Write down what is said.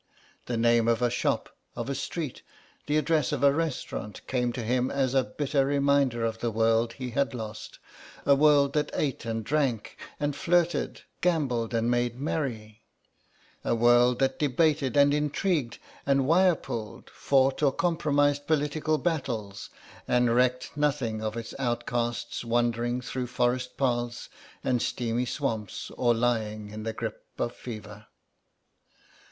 The name of a shop, of a street, the address of a restaurant, came to him as a bitter reminder of the world he had lost, a world that ate and drank and flirted, gambled and made merry, a world that debated and intrigued and wire pulled, fought or compromised political battles—and recked nothing of its outcasts wandering through forest paths and steamy swamps or lying in the grip of fever.